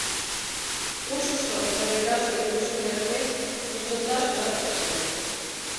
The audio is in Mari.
Куршышто да ведраште улшым эрыктен шинчылташ жап ыш лий.